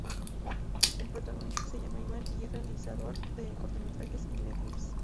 El protagonista se llama Iván y es realizador de cortometrajes y vídeo clips.